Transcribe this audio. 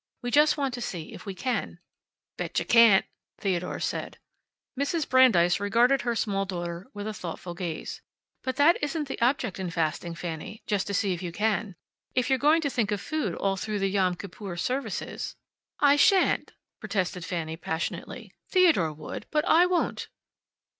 We just want to see if we can." "Betcha can't," Theodore said. Mrs. Brandeis regarded her small daughter with a thoughtful gaze. "But that isn't the object in fasting, Fanny just to see if you can. If you're going to think of food all through the Yom Kippur services " "I sha'n't?" protested Fanny passionately. "Theodore would, but I won't."